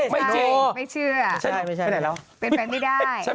ไม่จริง